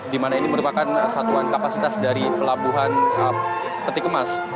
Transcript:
di mana ini merupakan satuan kapasitas dari pelabuhan peti kemas